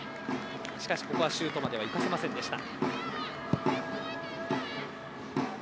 しかし、ここはシュートまではいかせませんでした。